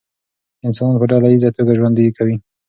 انسانان په ډله ایزه توګه ژوند کوي.